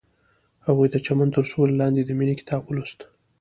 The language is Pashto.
هغې د چمن تر سیوري لاندې د مینې کتاب ولوست.